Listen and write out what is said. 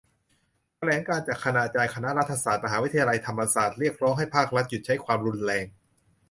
แถลงการณ์จากคณาจารย์คณะรัฐศาสตร์ มหาวิทยาลัยธรรมศาสตร์ เรียกร้องให้ภาครัฐหยุดใช้ความรุนแรง